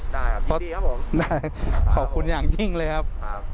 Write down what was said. ได้ครับยินดีครับผมได้ขอบคุณอย่างยิ่งเลยครับ